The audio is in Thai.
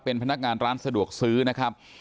เป็นพนักงานร้านสะดวกซื้อนะครับ